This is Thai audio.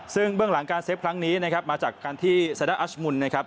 ซึ่งเบื้องหลังการเซฟครั้งนี้นะครับมาจากการที่ซาด้าอัชมุนนะครับ